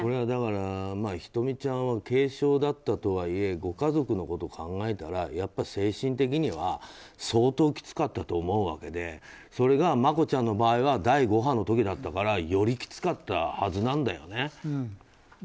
だから、ｈｉｔｏｍｉちゃんは軽症だったとはいえご家族のことを考えたらやっぱり精神的には相当きつかったと思うわけでそれがマコちゃんの場合は第５波の時だったからよりきつかったはずなんだよね。